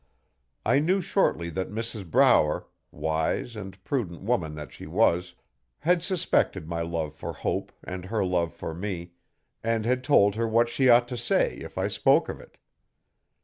I knew shortly that Mrs Brower wise and prudent woman that she was had suspected my love for Hope and her love for me, and had told her what she ought to say if I spoke of it.